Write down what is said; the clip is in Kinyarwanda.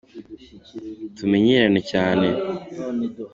Tumenyeranye cyane